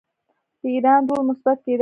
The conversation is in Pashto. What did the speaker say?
د ایران رول مثبت کیدی شي.